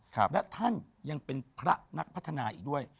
และท่านยังเป็นพระนักพัฒนาอีกด้วย